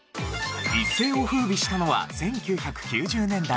一世を風靡したのは１９９０年代後半。